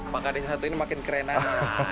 pak kades yang satu ini makin keren aja nih